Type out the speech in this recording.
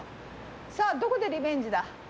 さあ、どこでリベンジだ？